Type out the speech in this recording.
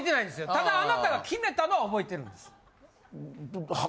ただあなたが決めたのは覚えてるんです。